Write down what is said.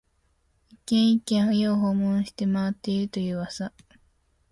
一軒、一軒、家を訪問して回っていると言う噂